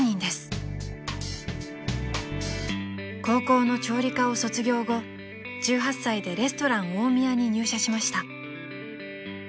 ［高校の調理科を卒業後１８歳でレストラン大宮に入社しました］